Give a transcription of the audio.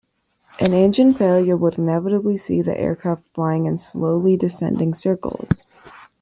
An engine failure would inevitably see the aircraft flying in slowly descending circles.